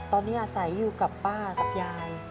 ตอนนี้อาศัยอยู่กับป้ากับยาย